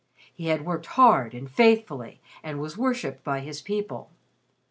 He had worked hard and faithfully and was worshipped by his people.